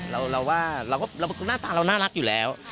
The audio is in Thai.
เราว่าหน้าตาเราน่ารักอยู่แล้ว